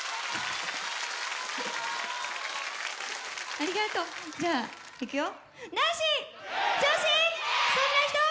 ありがとう！じゃあいくよ！